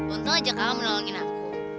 untung aja kakak mau nolongin aku